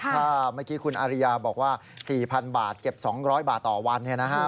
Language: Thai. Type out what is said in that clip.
ถ้าเมื่อกี้คุณอาริยาบอกว่า๔๐๐๐บาทเก็บ๒๐๐บาทต่อวันเนี่ยนะฮะ